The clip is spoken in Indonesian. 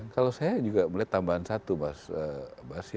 kalau saya juga melihat tambahan satu mas bas